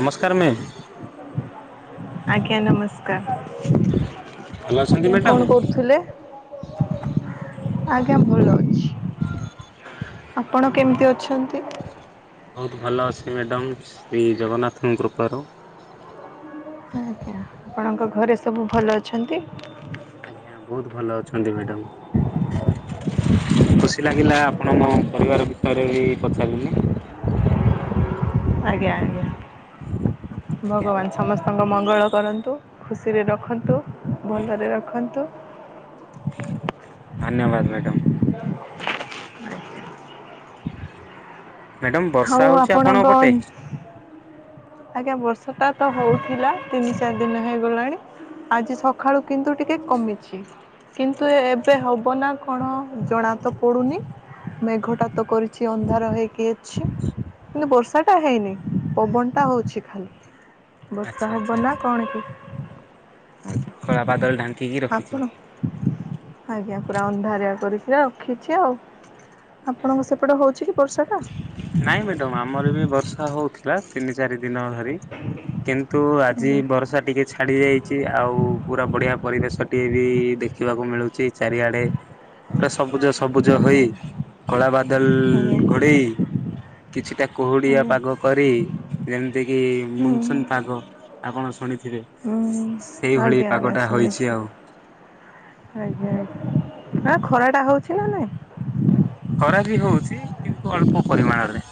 ନମସ୍କାର ମ୍ୟାମ୍। ଆଜ୍ଞା ନମ ସ୍କାର ଭଲ ଅଛନ୍ତି ଆଜ୍ଞା ମ୍ୟାଡ଼ାମ? କଣ କରୁଥିଲେ? ଆଜ୍ଞା ଭଲ ଅଛି। ଆପଣ କେମିତି ଅଛନ୍ତି? ବହୁତ ଭଲ ଅଛି ମ୍ୟାଡ଼ମ୍ ଶ୍ରୀ ଜଗନ୍ନାଥଙ୍କ କୃପାରୁ। ଆଜ୍ଞା, ଆପଣଙ୍କ ଘରେ ସବୁ ଭଲ ଅଛନ୍ତି? ଆଜ୍ଞା ବହୁତ ଭଲ ଅଛନ୍ତି ମ୍ୟାଡ଼ାମ୍। ଖୁସି ଆଜ୍ଞା। ଲାଗିଲା ଆପଣ ମୋ ପରିବାର ବିଷୟରେ ବି ପଚାରିଲେ। ଆଜ୍ଞା ଆଜ୍ଞା, ଆଜ୍ଞା ଭଗବାନ ସମସ୍ତଙ୍କ ମଙ୍ଗଳ କରନ୍ତୁ। ଖୁସିରେ ରଖନ୍ତୁ, ଭଲରେ ରଖନ୍ତୁ। ଧନ୍ୟବାଦ ମ୍ୟାଡ଼ାମ୍। ମ୍ୟାଡ଼ାମ ବର୍ଷା ହୋଉ ହଉଛି ଆପଣଙ୍କ ପଟେ? ଆଜ୍ଞା ବର୍ଷାଟା ତ ହଉଥିଲା ତିନି, ଚାରି ଦିନ ହେଇଗଲାଣି। ଆଜି ସକାଳୁ କିନ୍ତୁ ଟିକେ କମିଛି। କିନ୍ତୁ ଏବେ ହବ ନା କଣ ଜଣା ତ ପଡ଼ୁନି ମେଘଟା ତ କରି ଛି ଅନ୍ଧାର ହେଇକି ଅଛି। କିନ୍ତୁ ବର୍ଷା ଟା ହେଇନି। ପବନ ଟା ହଉଛି ଖାଲି। ଆଚ୍ଛା ବର୍ଷା ଆଚ୍ଛା ହବ ନା ଆଚ୍ଛା କଣ କି। କଳା ବାଦଲ ଢାଙ୍କିକି ରଖିଛି। ଆପଣ ଆଜ୍ଞା ପୁରା ଅନ୍ଧାରିଆ କରିକି ରଖିଛି ଆଉ। ଆପଣଙ୍କ ସେପଟେ ହଉଛି କି ବର୍ଷା ଟା? ନାଇଁ ମ୍ୟାଡାମ ଆମର ବି ବର୍ଷା ହଉଥିଲା। ତିନି ଚାରି ଦିନ ଧରି କିନ୍ତୁ ଆଜି ଆଜ୍ଞା ବର୍ଷା ଟିକେ ଛାଡି ଯାଇଛି ଆଉ ପୁରା ବଢିଆ ପରିବେଶ ଟିଏ ବି ଦେଖିବାକୁ ମିଳୁଛି ଚାରିଆଡେ। ପୁରା ସବୁଜ ସବୁଜ ଆଜ୍ଞା ହୋଇ କଳା ବାଦଲ ଆଜ୍ଞା ଘୋଡ଼େଇ କିଛିଟା କୁହୁଡିଆ ଆଜ୍ଞା ପାଗ କରି ଯେମିତି କିି ହୁଁ ମୁନସୁନ୍ ପାଗ ଆପଣ ଶୁଣିଥିବେ। ହୁଁ ସେଇଭଳି ଆଜ୍ଞା ପାଗ ଆଜ୍ଞା ଟା ହୋଇଛି ଶୁଣିଛି ଆଉ। ଆଜ୍ଞା ଆଜ୍ଞା, ନା ଖରା ଟା ହଉଛି ନା ନାଇଁ? ଖରା ବି ହଉଛି କିନ୍ତୁ ଅଳ୍ପ ପରିମାଣରେ।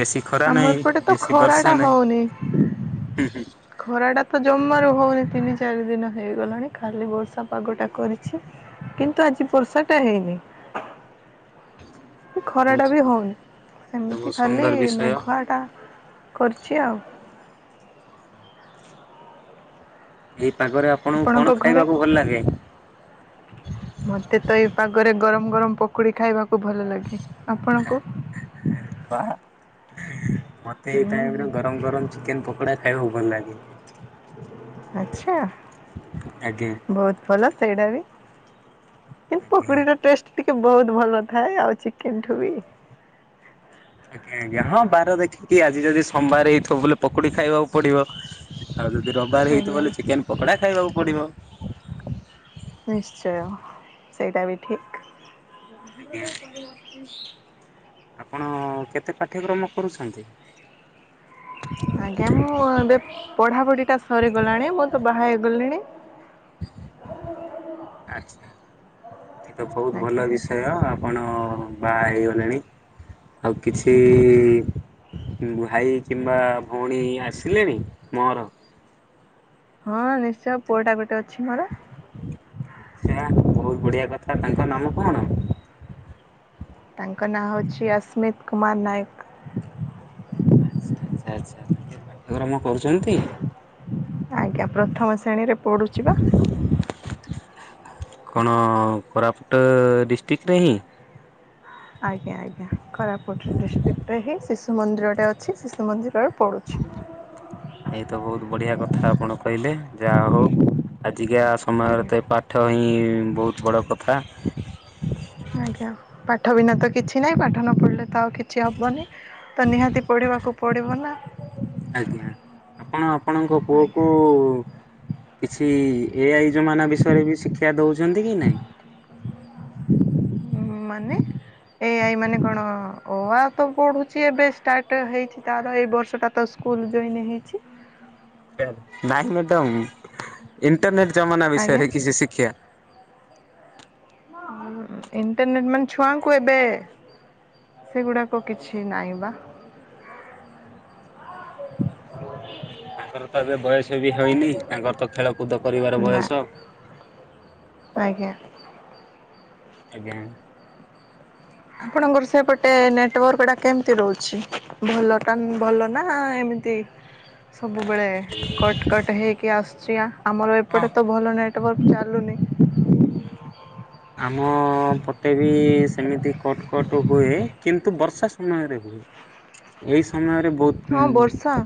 ବେଶୀ ଖରା ଆମ ନାହିଁ, ଏପଟେ ତ ବେଶୀ ଖରାଟା ବର୍ଷା ନାହିଁ। ହଉନି ହୁଁ ହୁଁ। ଖରାଟା ତ ଜମାରୁ ହଉନି ତିନି ଚାରି ଦିନ ହେଇଗଲାଣି। ଖାଲି ବର୍ଷା ପାଗଟା କରିଛି। କିନ୍ତୁ ଆଜି ବର୍ଷା ଟା ହେଇନି। ଖରା ବହୁତ ଟା ବି ହଉନି। ଏଇଟା ବହୁତ ସେମିତି ଖାଲି ସୁନ୍ଦର ବିଷୟ ମେଘୁଆଟା କରିଛି ଆଉ। ସେ ହ [unintelligible] ଏଇ ପାଗରେ ଆପଣଙ୍କୁ କଣ ଆପଣଙ୍କ ଘରେ? ଖାଇବାକୁ ଭଲ ଲାଗେ? ମତେ ତ ଏଇ ପାଗରେ ଗରମ ଗରମ ପକୁଡ଼ି ଖାଇବାକୁ ଭଲ ଲାଗେ। ଆପଣଙ୍କୁ? ପା ମତେ ଏଇ ହୁଁ ଟାଇମରେ ଗରମ ଗରମ ଚିକେନ୍ ପକୋଡ଼ା ଖାଇବାକୁ ଭଲ ଲାଗେ। ଆଛା, ଆଜ୍ଞା। ବହୁତ ଭଲ ସେଇଟା ବି। କିନ୍ତୁ ଆଜ୍ଞା। ପକୁଡିର ଟେଷ୍ଟ ଟିକେ ବହୁତ ଭଲ ଥାଏ ଆଉ ଚିକେନଠୁ ବି। ଆଜ୍ଞା ଆଜ୍ଞା, ହଁ ବାର ଦେଖିକି ଆଜି ଯଦି ସୋମବାର ହେଇଥିବ ବୋଲେ ପକୁଡି ଖାଇବ। ପଡିବ। ଆଉ ଯଦି ରବିବାର ହେଇଥିବ ଆଜ୍ଞା ବଲେ ଚିକେନ୍ ପକୋଡା ଖାଇବାକୁ ପଡିବ। ନିଶ୍ଚୟ ସେଇଟା ବି ଠିକ୍। ଆଜ୍ଞା ଆପଣ କେତେ ପାଠ୍ୟକ୍ରମ କରୁଛନ୍ତି? ଆଜ୍ଞା, ମୁଁ ଏବେ ପଢ଼ାପଢ଼ିଟା ସରିଗଲାଣି, ମୁଁ ତ ବାହା ହେଇଗଲିଣି। ଆଚ୍ଛା, ଏଇତ ବହୁତ ଆଜ୍ଞା ଭଲ ଆଜ୍ଞା ବିଷୟ ଆପଣ ବାହା ହେଇଗଲେଣି। ଆଉ କିଛି ଭାଇ କିମ୍ବା ଭଉଣୀ ଆସିଲେଣି ମୋର? ହଁ ନିଶ୍ଚୟ ପୁଅଟା ଗୋଟେ ଅଛି ମୋର। ଆଛା ବହୁତ ବଢିଆ କଥା ତାଙ୍କ ନାମ କଣ? ତାଙ୍କ ନାଁ ହୋଉଛି ଅସ୍ମିତ କୁମାର ନାୟକ। ଆଚ୍ଛା ଆଚ୍ଛା ଆଚ୍ଛା ତାଙ୍କେ ପାଠ୍ୟକ୍ରମ କରୁଛନ୍ତି? ଆଜ୍ଞା ପ୍ରଥମ ଶ୍ରେଣୀରେ ପଢୁଛି ବା। କଣ କୋରାପୁଟ ଡିଷ୍ଟ୍ରିକ ନାହିଁ? ଆଜ୍ଞା ଆଜ୍ଞା କୋରାପୁଟ ଡିଷ୍ଟିକ ଟେ ହେଇଛି ହିଁ ଶିଶୁ ମନ୍ଦିରଟେ ଅଛି ଶିଶୁ ମନ୍ଦିରରେ ପଡ଼ୁଛି। ଏଇ ତ ବହୁତ ବଢ଼ିଆ କଥା ଆପଣ କହିଲେ ଯାହା ହୋଉ। ଆଜିକା ସମୟରେ ଆଜ୍ଞା ତ ପାଠ ହିଁ ବହୁତ ବଡ଼ କଥା। ଆଜ୍ଞା ପାଠ ବିନା ତ କିଛି ନାହିଁ। ପାଠ ନ ପଢ଼ିଲେ ତ ଆଉ କିଛି ହବନି ତ ନିହାତି ପଢ଼ିବାକୁ ପଡ଼ିବ ନା। ଆଜ୍ଞା ଆପଣ ଆପଣଙ୍କ ପୁଅ ଆଜ୍ଞା କୁ କିଛି କି ଏଆଇ ଜମାନା ବିଷୟରେ ବି ଶିକ୍ଷା ଦଉଛନ୍ତି କି ନାଇଁ? ଉଁ ମାନେ? ଏଇ ଆଇ ମାନେ କଣ ଓ ଆ ତ ପଢୁଛି ଏବେ ଷ୍ଟାର୍ଟ ହେଇଛି ତାର ଏଇ ବର୍ଷଟା। ତ ସ୍କୁଲ ଜଏନ୍ ହେଇଛି। ନାଇଁ ମ୍ୟାଡ଼ାମ ଇଣ୍ଟରନେଟ ଜମାନା ଆଜ୍ଞା ବିଷୟରେ କିଛି ଶିକ୍ଷା। ଇଣ୍ଟରନେଟ ମାନେ ଛୁଆଙ୍କୁ ଏବେ ସେଗୁଡ଼ାକ କିଛି ନାହିଁ ବା। ହୁଁ। ତାଙ୍କର ତ ଏବେ ବୟସ ବି ହେଇନି ତାଙ୍କର ତ ଖେଳକୁଦ କରିବାର ନା ବୟସ। ଆଜ୍ଞା। ଆଜ୍ଞା। ଆପଣଙ୍କର ସେପଟେ ନେଟୱାର୍କ ଟା କେମିତି ରହୁଛି ଭଲ ଟା ଭଲ ନା ଏମ୍ ତି ସବୁବେଳେ କଟ୍ କଟ୍ ହେଇକି ଆସୁଛି ଆଁ। ଆମର ହଁ ଏପଟେ ତ ଭଲ ନେଟୱାର୍କ ଚାଲୁନି। ଆମ ପଟେ ବି ସେମିତି କଟ୍ କଟ ହୁଏ କିନ୍ତୁ ବର୍ଷା ସମୟରେ। ଏଇ ସମୟରେ ବହୁତ। ହଁ ବର୍ଷା।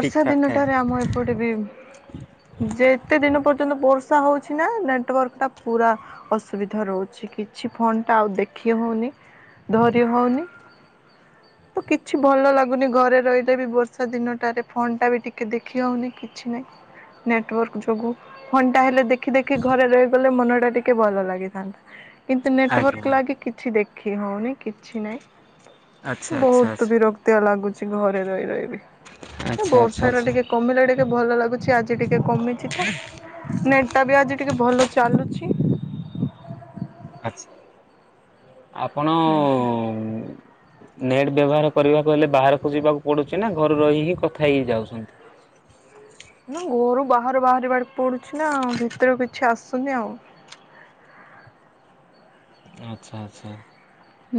ଠିକ୍ ଠାକ୍ ଥାଏ। ଦିନଟାରେ ଆମ ଏପଟେ ବି ଯେ ଏତେ ଦିନ ପର୍ଯ୍ୟନ୍ତ ବର୍ଷା ହୋଉଛି ନା ନେଟୱାର୍କଟା ପୁରା ଅସୁବିଧା ରହୁଛି କିଛି ଫୋନ୍ ଟା ଆଉ ଦେଖି ହୋଉନି ଧରି ହୋଉନି। ତ କିଛି ଭଲ ଲାଗୁନି ଘରେ ରହିଲେ ବି ବର୍ଷା ଦିନ। ଟାରେ ଫୋନ୍ ଟା ବି ଟିକେ ଦେଖି ହଉନି କିଛି ନାହିଁ ନେଟୱାର୍କ ଯୋଗୁ। ଫଣ୍ଡା ହେଲେ ଦେଖି ଦେଖି ଘରେ ରହିଗଲେ ମନ ଟା ଟିକେ ଭଲ ଲାଗିଥାନ୍ତା। କିନ୍ତୁ ଆଜ୍ଞା ନେଟୱାର୍କ ଲାଗି କିଛି ଦେଖି ହୋଉନି କିଛି ଆଚ୍ଛା ନାହିଁ ଆଚ୍ଛା ବହୁତ ଆଚ୍ଛା। ବିରକ୍ ତ ଲାଗୁଛି ଘରେ ରହି ରହିବି ଏ ଆଚ୍ଛା ଆଚ୍ଛା ବର୍ଷା ଟା ଆଚ୍ଛା ଟିକେ କମିଲା ଟିକେ ଟିକେ ଭଲ ଲାଗୁଛି ଆଜି ଟିକେ କମିଛି ତ ନେଟ୍ଟା ବି ଆଜି ଟିକେ ଭଲ ଚାଲୁଛି। ଆଚ୍ଛା ଆପଣ ଆଜ୍ଞା। ନେଟ୍ ବ୍ୟବହାର କରିବାକୁ ହେଲେ ବାହାରକୁ ଯିବାକୁ ପଡୁଛି ନା ଘରୁ ରହି ହିଁ କଥା ହେଇ ଯାଉଛନ୍ତି। ନା ଘୋରୁ ବାହାରୁ ବାହାରିବାକୁ ପଡୁଛି ନା ଆଉ ଭିତରୁ କିଛି ଆସୁନି ଆଉ। ଆଚ୍ଛା ଆଚ୍ଛା।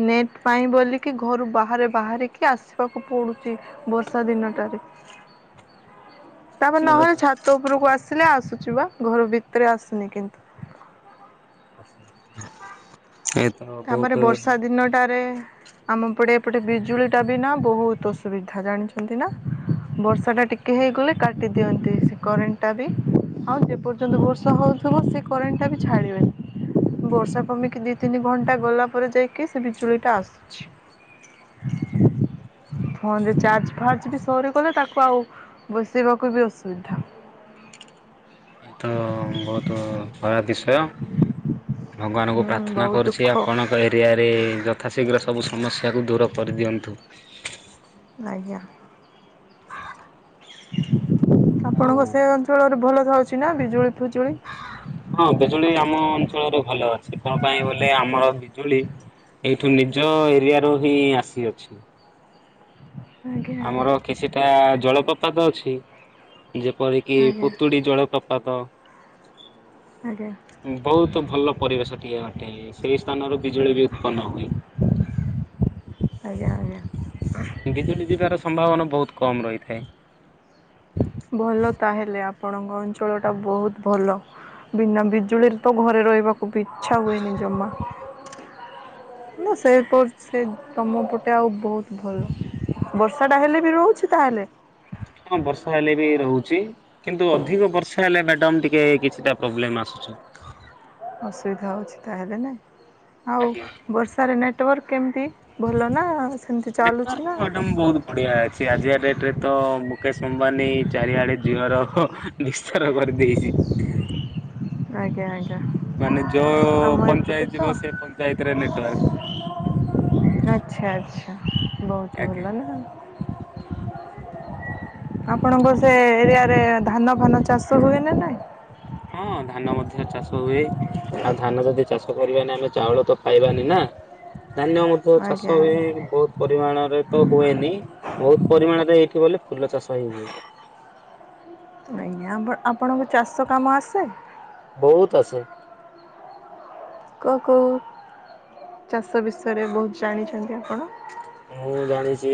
ନେଟ୍ ପାଇଁ ବୋଲିକି ଘରୁ ବାହାରେ ବାହାରିକି ଆସିବାକୁ ପଡୁଛି। ବର୍ଷା ଦିନଟାରେ। ତାପରେ ନହେଲେ ଛାତ ଉପରକୁ ଆସିଲେ ଆସୁଛି ବା ଘର ଭିତରେ ଆସୁନି କିନ୍ତୁ। ଆ [unintelligible] ତାପରେ ବର୍ଷା ଦିନଟାରେ ଆମ ପଟେ ଏପଟେ ବିଜୁଳିଟା ବି ନା ବହୁତ ଅସୁବିଧା ଜାଣିଛନ୍ତି ନା? ବର୍ଷାଟା ଟିକେ ହେଇଗଲେ କାଟି ଦିଅନ୍ତି, ସେ କରେଣ୍ଟଟା ବି ଆଉ ଯେପର୍ଯ୍ୟନ୍ତ ବର୍ଷା ହଉଛି ସମସ୍ତ ସେ କରେଣ୍ଟା ବି ଛାଡ଼ିବେନି ବର୍ଷା କମିକି ଦିଇ ତିନି ଘଣ୍ଟା ଗଲା ପରେ ଯାଇକି ସେ ବିଜୁଳି ଟା ଆସୁଛି। ଆଚ୍ଛା। ଫୋନରେ ଚାର୍ଜ ଫାର୍ଜ ବି ସହରେ ଗଲେ ତାକୁ ଆଉ ବସେଇବାକୁ ବି ଅସୁବିଧା। ଏ ତ ବହୁତ ଦୁଃଖର ବିଷୟ ଭଗବାନ୍ [unintelligible] ହୁଁ ପ୍ରାର୍ଥନା ବହୁତ ଦୁଃଖ କରୁଛି ଆପଣ ତା ଏରିଆରେ ଯଥାଶୀଘ୍ର ସବୁ ସମସ୍ୟାକୁ ଦୂର କରିଦିଅନ୍ତୁ। ଆଜ୍ଞା। ଆଉ ଆପଣଙ୍କ ସେ ଅଞ୍ଚଳରେ ଭଲ ଥାଉଛି ନା ବିଜୁଳି ଫୁଜୁଳି? ହଁ, ବିଜୁଳି ଆମ ଅଞ୍ଚଳରେ ଭଲ ଅଛି, କଣ ପାଇଁ ବୋଲେ ଆମର ବିଜୁଳି ଏଇଠୁ ନିଜ ଏରିଆ ରୁ ହିଁ ଆସିଅଛି। ଆଜ୍ଞା ଆଜ୍ଞା ଆମର କିଛିଟା ଜଳପ୍ରପାତ ଅଛି, ଯେପରିକି ଆଜ୍ଞା ପୁତୁଡ଼ି ଜଳପପ୍ ପ୍ରପାଦ। ଆଜ୍ଞା। ବହୁତ୍ ଭଲ ପରିବେଶ ଟିଏ ଅଟେ, ସେହି ସ୍ଥାନରୁ ବିଜୁଳି ବି ଉତ୍ପନ୍ନ ହୁଏ। ଆଜ୍ଞା, ଆଜ୍ଞା। ବିଜୁଳି ଯିବାର ସମ୍ଭାବନା ବହୁତ କମ୍ ରହିଥାଏ। ଭଲ ତାହେଲେ ଆପଣଙ୍କ ଅଞ୍ଚଳଟା ବହୁତ ଭଲ। ବିନା ବିଜୁଳିରେ ତ ଘରେ ରହିବାକୁ ବି ଇଚ୍ଛା ହୁଏନି ଜମା। ନା ସେଇ କରୁ ସେ ତମ ପଟେ ଆଉ ବହୁତ୍ ଭଲ, ବର୍ଷାଟା ହେଲେ ବି ରହୁଛି ତାହେଲେ? ହଁ ବର୍ଷା ହେଲେ ବି ରହୁଛି। କିନ୍ତୁ ଅଧିକ ବର୍ଷା ହେଲେ ମ୍ୟାଡାମ୍ ଟିକେ କିଛିଟା ପ୍ରୋବ୍ଲେମ ଆସୁଛି। ଆଉ ସେଇଟା ହେଉଛି ତାହେଲେ ନାଇଁ, ଆଉ ଆଜ୍ଞା। ବର୍ଷାରେ ନେଟୱାର୍କ କେମିତି? ଭଲ ନା ସେମିତି ଚାଲୁଛି ନେଟୟାର୍ ନା? [unintelligible] ବହୁତ୍ ବଢିଆ ଅଛି ଆଜିିକା ଡେଟ୍ ରେ ତ ମୁକେଶ ଅମ୍ବାନୀ ଚାରିଆଡେ ଜିଓର ନିସ୍ଥାର କରିଦେଇଛି। ଆଜ୍ଞା, ଆଜ୍ଞା। ମାନେ ଯୋଉ ଆମ ପଞ୍ଚାୟତ ଏପଟେ ତ ଯିବ ସେ ପଞ୍ଚାୟତରେ ନେଟୱାର୍କ। ଆଚ୍ଛା, ଆଚ୍ଛା ବହୁତ୍ ଆଜ୍ଞା ଭଲ ନା। ଆପଣଙ୍କ ସେ ଏରିଆ ରେ ଧାନ ଫାନ ଚାଷ ହୁଏନା ନାଇଁ? ହଁ ଧାନ ମଧ୍ୟ ଚାଷ ହୁଏ ଆଉ ଧାନ ଯଦି ଚାଷ କରିବାନି ଆମେ ଚାଉଳ ତ ପାଇବାନି ନା? ଧାନ୍ୟ ମଧ୍ୟ ଆଜ୍ଞା ଚାଷ ହୁଏ ଆଜ୍ଞା ବହୁତ ପରିମାଣରେ ତ ହୁଏନି। ବହୁତ ପରିମାଣରେ ଏଇଠି ବୋଲି ଫୁଲ ଚାଷ ହିଁ ହୁଏ। ନାଇ ଆମ୍ବ ଆପଣଙ୍କୁ ଚାଷ କାମ ଆସେ? ବହୁତ୍ ଆସେ। କ କଉଁ ଚାଷ ବିଷୟରେ ବହୁତ୍ ଜାଣିଛନ୍ତି ଆପଣ? ମୁଁ ଜାଣିଛି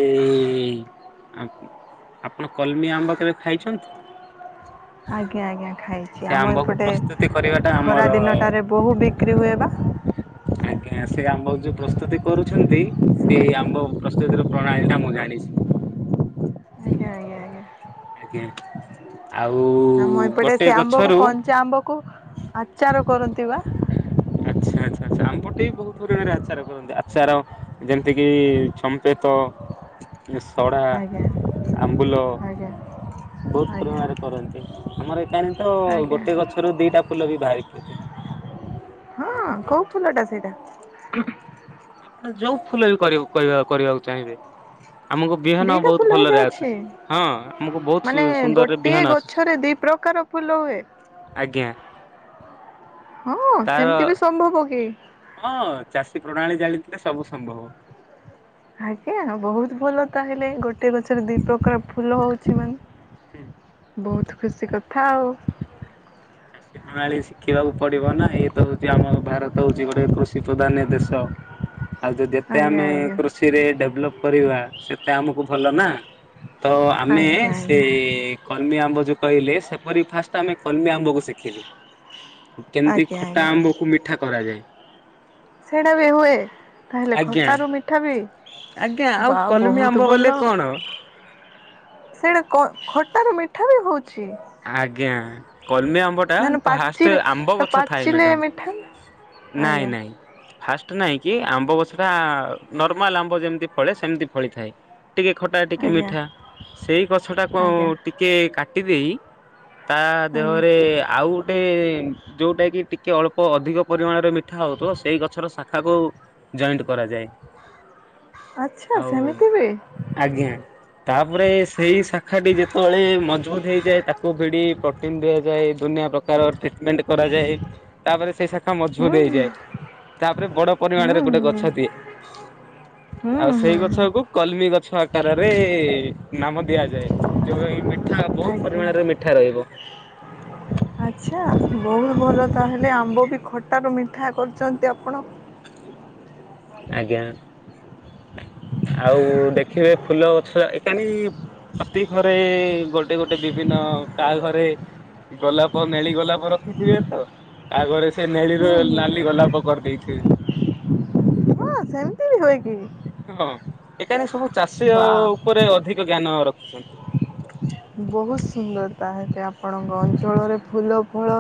ଆମ୍ ଆପଣ କଲମି ଆମ୍ବ କେବେ ଖାଇଛନ୍ତି? ଆଜ୍ଞା, ଆଜ୍ଞା ଖାଇଛି ସେ ଆମ ଆମ୍ବକୁ ଏପଟେ ପ୍ରସ୍ତୁତି କରିବାଟା ଖରା ଆମର ଦିନଟାରେ ବହୁ ବିକ୍ରି ହୁଏ ବା। ଆଜ୍ଞା ସେ ଆମ୍ବ ଯୋଉ ପ୍ରସ୍ତୁତି କରୁଛନ୍ତି ସେଇ ଆମ୍ବ ପ୍ରସ୍ତୁତିର ପ୍ରଣାଳୀ ଟା ମୁଁ ଜାଣିଛି। ଆଜ୍ଞା ଆଜ୍ଞା ଆଜ୍ଞା। ଆଜ୍ଞା ଆଉ ଗୋଟେ ଗଛରୁ କୋଉ ଆଚାର କରନ୍ତି ବା? ଆଚ୍ଛା ଆଚ୍ଛ ଆମ୍ ପଟେ ବି ବହୁତରିମାଣରେ ଆଚାର କରନ୍ତି ଆଚାର ଯେମିତିକି ଛମ୍ପେ ତ ସଡ଼ା ଆଜ୍ଞା ଆମ୍ବୁଲ ଆଜ୍ଞା ବହୁତ ଆଜ୍ଞା ପରିମାଣରେ କରନ୍ତି ଆମର ଏକାନ୍ତ ଆଜ୍ଞା ଗୋଟେ ଗଛରୁ ଦିଟା ଫୁଲ ବି ବାହାରି ପଡ଼ୁଛି। ହଁ କୋଉ ଫୁଲ ଟା ସେଇଟା? ଆପଣ ଯୋଉ ଫୁଲ ବି କରିବାକୁ କହିବା କରିବାକୁ ଚାହିଁବେ ଆମକୁ ବିହନ ଦିଟା ବହୁତ ଫୁଲ ଭଲରେ ଆସିଛି ହେଇଯାଉଛି ହଁ ଆମକୁ ବହୁତ୍ ମାନେ ସୁନ୍ଦରରେ ବିହନ ଆସୁଛି। ଫୁଲହୁଏ? ଆଜ୍ଞା। ହଁ ତାର ସେମିତି ବି ସମ୍ଭବ କି? ହଁ ଚାଷୀ ପ୍ରଣାଳୀ ଜାଳିଥିଲେ ସବୁ ସମ୍ଭବ। ଆଜ୍ଞା ବହୁତ ଭଲ ତାହେଲେ ଗୋଟେ ଗଛରେ ଦି ପ୍ରକାର ଫୁଲ ହଉଛି ମାନେ ବହୁତ ଖୁସି କଥା ଆଉ। ଏ ପ୍ରଣାଳୀ ଶିଖିବାକୁ ପଡ଼ିବ ନା ଏଇତ ହଉଛି ଆମ ଭାରତ ହଉଛି ଗୋଟେ କୃଷି ପ୍ରଧାନ୍ୟ ଦେଶ। [inaudible] ଆଉ ଯ ଯେତେ ଆଜ୍ଞା ଆମେ ଆଜ୍ଞା କୃଷିରେ ଡେଭଲପ୍ କରିବା ସେତେ ଆମକୁ ଭଲ ନା ତ ଆମେ ଆଜ୍ଞା ସେ ଆଜ୍ଞା କଲମି ଆମ୍ବ ଯୋଉ କହିଲେ ସେପରି ଫାଷ୍ଟ ଆମେ କଲମି ଆମ୍ବକୁ ଶି ଖିଲୁ କେମିତି ଆଜ୍ଞା ଖଟା ଆଜ୍ଞା ଆମ୍ବକୁ ମିଠା କରାଯାଏ। ସେଇଟା ବି ହୁଏ ତାହେଲେ ଆଜ୍ଞା ଖଟାରୁ ମିଠା ବି? ଆଜ୍ଞା ଆଉ ବା କଲମି ଆମ୍ବ ବହୁତୁ ବୋଲେ ଭଲ। କଣ ସେଇଟା କ ଖଟାରୁ ମିଠା ବି ହଉଛି? ଆଜ୍ଞା। କଲମି ଆମ୍ବ ଟା ଧାନ ଫାଷ୍ଟ ପାଚିଲେ ଆମ୍ବ ଗଛ ଥାଏ ପାଚିଲେ ମେଡମ୍ ମିଠା ନାଇଁ ଆଜ୍ଞା ନାଇଁ। ଫାଷ୍ଟ ନାହିଁ କି ଆମ୍ବ ଗଛ ଟା ନର୍ମାଲ ଆମ୍ବ ଯେମିତି ଫଳେ ସେମିତି ଫଳିଥାଏ ଟିକେ ଖଟା ଟିକେ ଆଜ୍ଞା ମିଠା ସେଇ ଗଛଟାକୁ ଆଜ୍ଞା ଟିକେ କାଟି ଦେଇ ତା ଆଜ୍ଞା ଦେହରେ ଆଉ ଗୋଟେ ଯୋଉଟା କି ଟିକେ ଅଳ୍ପ ଅଧିକ ପରିମାଣରେ ମି ଠା ହଉଥିବ ସେଇ ଗଛର ଶାଖାକୁ ଜଏଣ୍ଟ କରାଯାଏ। ଆଚ୍ଛା ଆଉ ସେମିତି ବି ଆଜ୍ଞା ତାପରେ ସେଇ ଶାଖା ଟି ଯେତେବେଳେ ମଜବୁତ ହେଇଯାଏ ତା ଭିଡ଼ି ପ୍ରଟିନ ଦିଆଯାଏ ଦୁନିଆ ପ୍ରକାର ଟ୍ରିଟମେଣ୍ଟ କରାଯାଏ ତାପରେ ସେଇ ଶାଖା ହୁଁ ମଜବୁତ ହେଇଯାଏ। ତାପରେ ବଡ଼ ହୁଁ ହୁଁ ପରିମାଣରେ ଗୋଟେ ଗଛ ଦିଏ। ହୁଁ ହୁଁ। ହୁଁ ଗଛ କୁ କଲମି ଗଛ ଆକାରରେ ନାମ ଦିଆଯାଏ ଯୋଉ [unintelligible] ଆଚ୍ଛା। ଆଚ୍ଛା ବହୁତ ଭଲ ତାହେଲେ ଆମ୍ବ ବି ଖଟାରୁ ମିଠା କରୁଛନ୍ତି ଆପଣ। ଆଜ୍ଞା ଆଉ ଦେଖିବେ ଫୁଲ ଗଛ ଏକାନି ହତି ଘରେ ଗୋଟେ ଗୋଟେ ବିଭିନ୍ନ କାହା ଘରେ ଗୋଲାପ ନେଳି ଗୋଲାପ ରଖିଥିବେ ତ କାହା ଘରେ ସେ ନେଳି ର ହୁଁ ହୁଁ ଲାଲି ଗୋଲାପ କରିଦେଇଥିବେ। ଅଁ ସେମତି ବି ହୋଇକି। ହଁ ଏକା ଯେ ସବୁ ଚାଷୀ ଅ ବା ଉପରେ ଅଧିକ ଜ୍ଞାନ ରଖିଛନ୍ତି। ବୋହୁତ ସୁନ୍ଦର ତାହେଲେ ଆପଣଙ୍କ ଅଞ୍ଚଳରେ ଫୁଲ ଫଳ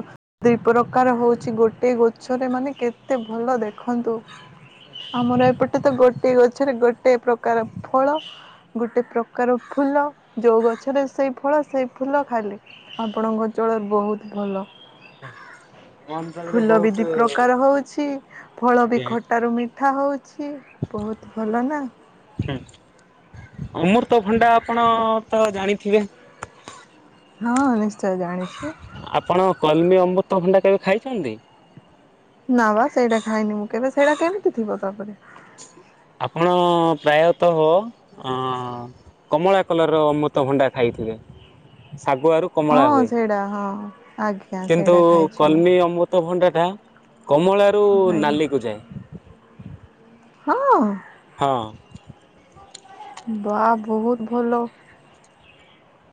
ଦି ପ୍ରକାର ହଉଛି ଗୋଟିଏ ଗଛରେ ମାନେ କେତେ ଭଲ ଦେଖନ୍ତୁ। ଆମର ଏପଟେ ତ ଗୋଟେ ଗଛରେ ଗୋଟେ ପ୍ରକାର ଫଳ‌। ଗୋଟେ ପ୍ରକାର ଫୁଲ ଯୋଉ ଗଛରେ ସେଇ ଫଳ ସେଇ ଫୁଲ ଖାଲି। ଆପଣଙ୍କ ଅଞ୍ଚଳ ବହୁତ ଭଲ। ଉଁ ଫୁଲ ବି ଦି ପ୍ରକାର ହଉଛି ଫଳ ବି ଆଜ୍ଞା ଖଟାରୁ ମି ଠା ହଉଛି ବହୁତ ଭଲ ନା। ଏଁ ଅମୁର୍ତ ଭଣ୍ଡା ଆପଣ ତ ଜାଣିଥିବେ? ହଁ ନିଶ୍ଚୟ ଜାଣିଛି। କଣ କଲ୍ମୀ ଅମ୍ବୃତଭଣ୍ଡା କେବେ ଖାଇଛନ୍ତି? ନାଁ ବା ସେଇଟା ଖାଇନି ମୁଁ କେବେ ସେଇଟା କେମିତି ଥିବ ତପରେ? ଆପଣ ପ୍ରାୟତଃ ଅଁ କମଳା କଲରର ରମୃତ ଭଣ୍ଡା ଖାଇଥିବେ ଶାଗୁଆରୁ କମଳା ହଁ ହୁଏ ସେଇଟା ହଁ ଆଜ୍ଞା କିନ୍ତୁ ସେଇଟା ଖାଇଛି ମୁଁ କଲମୀ ଅମୁ ତ ଭଣ୍ଡାଟା କମଳାରୁ ଆଜ୍ଞା ନାଲିକୁ ଯାଏ। ହଁ? ହଁ। ବା ବୋହୁତ ଭଲ।